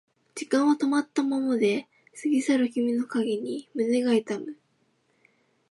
時間は止まったままで過ぎ去る君の影に胸が痛む